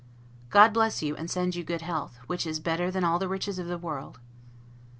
God bless you, and send you good health, which is better than all the riches of the world!